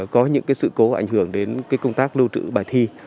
có những sự cố ảnh hưởng đến công tác lưu trữ bài thi